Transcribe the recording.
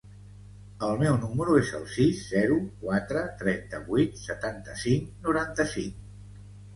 El meu número es el sis, zero, quatre, trenta-vuit, setanta-cinc, noranta-cinc.